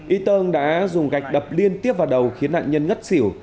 y tơng đã dùng gạch đập liên tiếp vào đầu khiến nạn nhân ngất xỉu